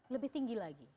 lebih tinggi lagi